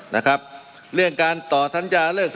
มันมีมาต่อเนื่องมีเหตุการณ์ที่ไม่เคยเกิดขึ้น